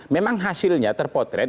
memang hasilnya terpotret